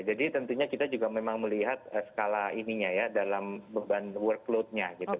jadi tentunya kita juga memang melihat skala ininya ya dalam beban workload nya gitu